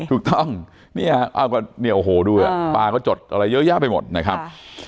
ถูกต้องเนี่ยโอ้โหดูปลาก็จดอะไรเยอะแยะไปหมดนะครับ